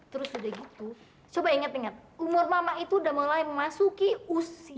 terus udah gitu coba ingat ingat umur mama itu udah mulai memasuki usia